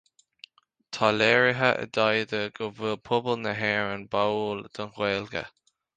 Tá léirithe i dtaighde go bhfuil pobal na hÉireann báúil don Ghaeilge